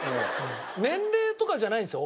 年齢とかじゃないんですよ